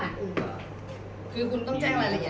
๑๕วันของเรามี๒๔